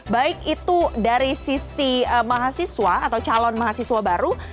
baik itu dari sisi mahasiswa atau calon mahasiswa baru